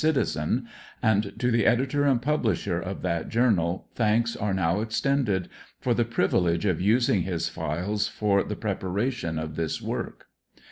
Citizen, and to the editor and publisher of that journal thanks are now extended for the privilege of using his files for the prepara tion of this work.